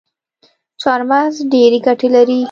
چارمغز ډیري ګټي لري